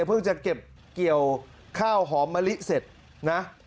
เพิ่งจะเก็บเกี่ยวข้าวหอมมะลิเสร็จนะ